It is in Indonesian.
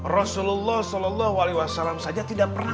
rasulullah saw tidak pernah menikmati makanan